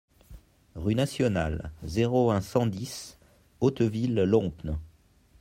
Rue Nationale, zéro un, cent dix Hauteville-Lompnes